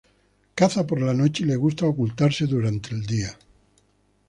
Caza por la noche y le gusta ocultarse durante el día.